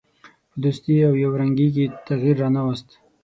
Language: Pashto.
په دوستي او یو رنګي کې یې تغییر را نه ووست.